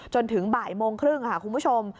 จนถึงบ่ายโมงครึ่งค่ะคุณผู้ชม